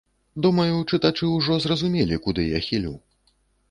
Думаю, чытачы ўжо зразумелі, куды я хілю.